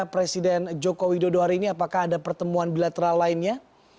presiden joko widodo hari ini apakah ada pertemuan bilateral lainnya